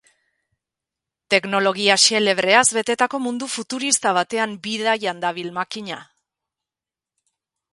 Teknologia xelebreaz betetako mundu futurista batean bidaian dabil makina.